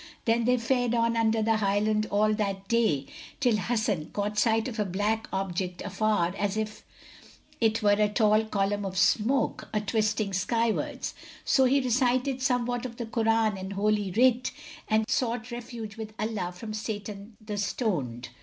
Then they fared on under the highland all that day, till Hasan caught sight of a black object afar as it were a tall column of smoke a twisting skywards; so he recited somewhat of the Koran and Holy Writ, and sought refuge with Allah from Satan the Stoned.